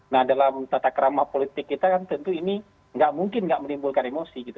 nah dalam tata keramah politik kita kan tentu ini nggak mungkin nggak menimbulkan emosi gitu